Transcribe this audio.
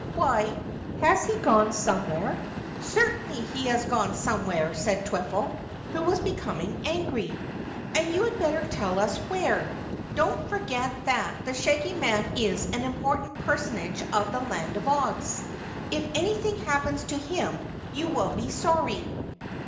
"Why, has he gone somewhere?" "Certainly he has gone somewhere," said Twiffle, who was becoming angry. "And you had better tell us where. Don't forget that the Shaggy Man is an important personage of the Land of Oz. If anything happens to him you will be sorry."